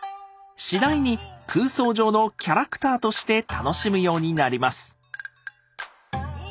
次第に空想上のキャラクターとして楽しむようになります。